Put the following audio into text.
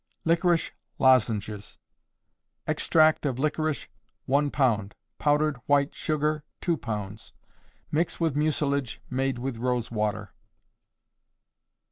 Liquorice Lozenges. Extract of liquorice, 1 pound, powdered white sugar, 2 pounds. Mix with mucilage made with rosewater.